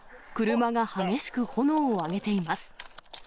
車が激しく炎を上げています。